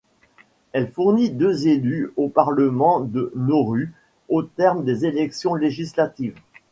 Elle fournit deux élus au Parlement de Nauru au terme des élections législatives.